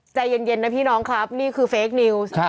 ใจเย็นนะพี่น้องครับนี่คือเฟคนิวส์